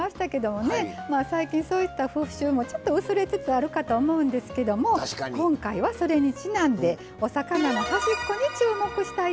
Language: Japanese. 最近そういった風習も薄れつつあるかと思うんですけども今回はそれにちなんでお魚の端っこに注目したいと思います。